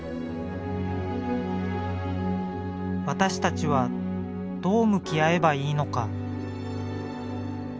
私たちはどう向き合えばいいのか。